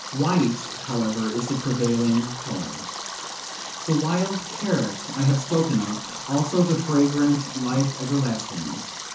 White, however, is the prevailing color. The wild carrot I have spoken of; also the fragrant life everlasting.